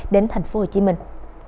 đến thành phố hồ chí minh